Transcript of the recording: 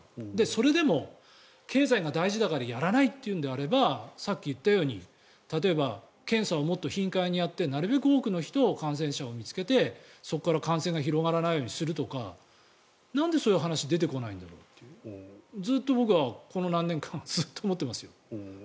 それでも経済が大事だからやらないというのであればさっき言ったように例えば検査をもっと頻回にやってなるべく多くの感染者を見つけてそこから感染が広がらないようにするとかなんでそういう話が出てこないんだろうとずっと僕はこの何年間ずっと思ってますよ。